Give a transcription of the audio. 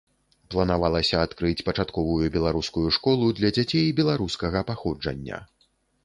Планавалася адкрыць пачатковую беларускую школу для дзяцей беларускага паходжання.